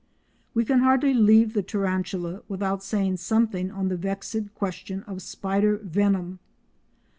We can hardly leave the tarantula without saying something on the vexed question of spider venom.